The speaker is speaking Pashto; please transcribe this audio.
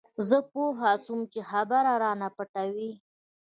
زه پوه سوم چې خبره رانه پټوي.